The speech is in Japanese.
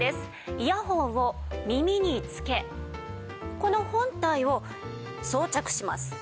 イヤホンを耳に着けこの本体を装着します。